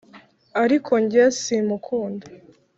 ariko njye si mukunda